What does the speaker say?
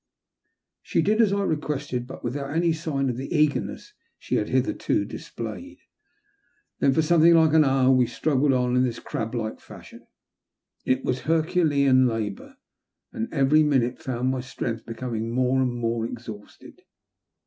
She did as I requested, but without any sign of the eagerness she had hitherto displayed. Then, for something like an hour, we struggled on in this crab like fashion. It was hercu lean labour, and every minute found my strength becoming more and more exhausted.